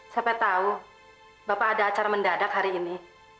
siapa tahu bapak ada acara mendadak hari ini